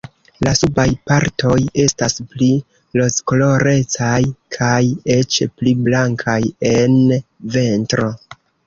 La subaj partoj estas pli rozkolorecaj kaj eĉ pli blankaj en ventro.